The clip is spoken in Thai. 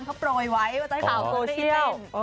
เออไม่ได้ล่ะ